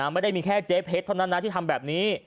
ไม่ได้มีแค่เจ๊เพชรเท่านั้นนะที่ทำแบบนี้